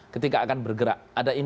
ketika akan bergerak